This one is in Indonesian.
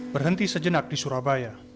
berhenti sejenak di surabaya